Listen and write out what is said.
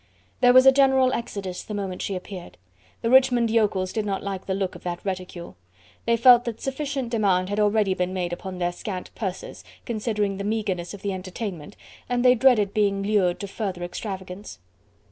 There was a general exodus the moment she appeared. The Richmond yokels did not like the look of that reticule. They felt that sufficient demand had already been made upon their scant purses, considering the meagerness of the entertainment, and they dreaded being lured to further extravagance.